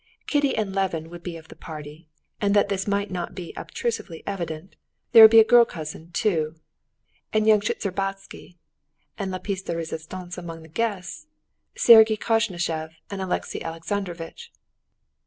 Kitty and Levin would be of the party, and that this might not be obtrusively evident, there would be a girl cousin too, and young Shtcherbatsky, and la pièce de resistance among the guests—Sergey Koznishev and Alexey Alexandrovitch.